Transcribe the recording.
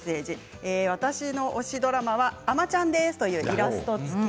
私の推しドラマは「あまちゃん」ですというイラスト付き。